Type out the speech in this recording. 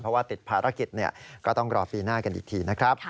เพราะว่าติดภารกิจก็ต้องรอปีหน้ากันอีกทีนะครับ